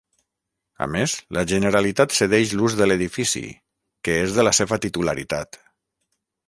A més, la Generalitat cedeix l’ús de l’edifici, que és de la seva titularitat.